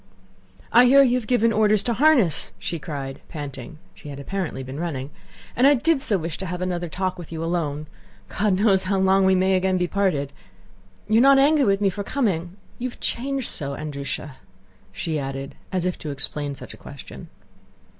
"I hear you have given orders to harness," she cried, panting (she had apparently been running), "and I did so wish to have another talk with you alone! God knows how long we may again be parted. You are not angry with me for coming? You have changed so, Andrúsha," she added, as if to explain such a question.